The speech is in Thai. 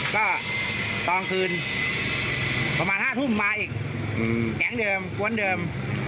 ก็ตอนคืนบางห้าทุ่มมาอีกหือแข็งเดิมคร้วนเดิม